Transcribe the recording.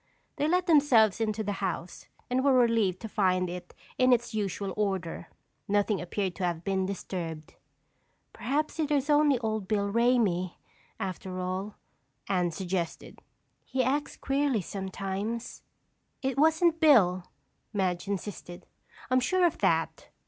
They let themselves into the house and were relieved to find it in its usual order. Nothing appeared to have been disturbed. "Perhaps it was only old Bill Ramey, after all," Anne suggested. "He acts queerly sometimes." "It wasn't Bill," Madge insisted. "I'm sure of that.